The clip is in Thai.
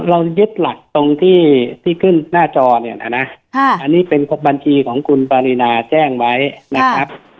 เรายึดหลักตรงที่ที่ขึ้นหน้าจอเนี่ยนะอันนี้เป็นบัญชีของคุณปารีนาแจ้งไว้นะครับ